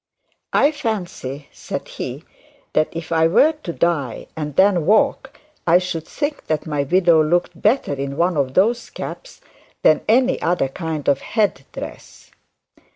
'I fancy,' said he, 'that if I were to die, and then walk, I should think that my widow looked better in one of those caps than any other kind of head dress.'